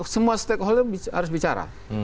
semua stakeholder harus bicara